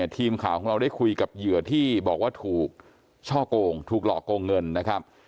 ทีมข่าวของเราได้คุยกับเหยื่อที่บอกว่าถูกช่อกงถูกหลอกโกงเงินนะครับ